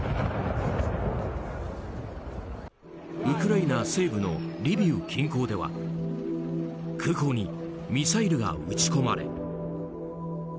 ウクライナ西部のリビウ近郊では空港にミサイルが撃ち込まれ。